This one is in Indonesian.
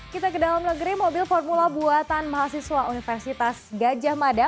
kita ke dalam negeri mobil formula buatan mahasiswa universitas gajah mada